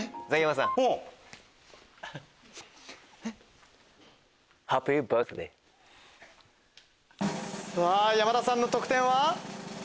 さぁ山田さんの得点は？